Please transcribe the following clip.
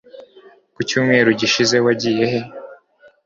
ku cyumweru gishize wagiye he